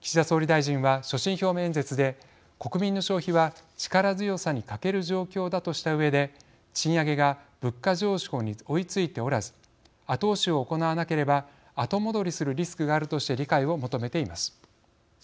岸田総理大臣は、所信表明演説で国民の消費は力強さに欠ける状況だとしたうえで賃上げが物価上昇に追いついておらず後押しを行わなければ後戻りするリスクがあるとして理解を求めています。